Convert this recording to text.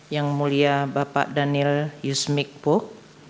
yang mulia bapak daniel yusmik puk